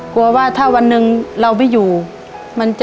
กลัวว่าถ้าวันหนึ่งเราไม่อยู่